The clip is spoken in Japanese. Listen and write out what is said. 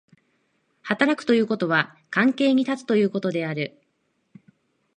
働くということは関係に立つということである。